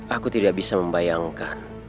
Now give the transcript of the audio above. aku tidak bisa membayangkan